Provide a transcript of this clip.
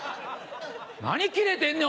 何キレてんねん！